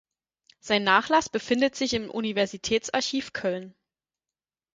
Sein Nachlass befindet sich im Universitätsarchiv Köln.